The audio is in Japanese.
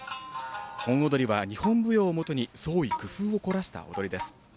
本踊は日本舞踊をもとに創意工夫を凝らした踊りです。